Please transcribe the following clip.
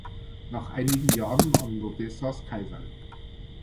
Nach einigen Jahren an Odessas Kaiserl.